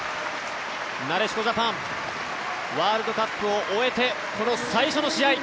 なでしこジャパンワールドカップを終えてこの最初の試合。